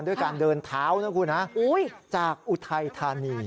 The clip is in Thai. ด้วยการเดินเท้านะคุณฮะจากอุทัยธานี